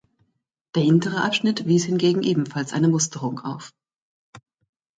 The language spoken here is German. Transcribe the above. Der hintere Abschnitt wies hingegen ebenfalls eine Musterung auf.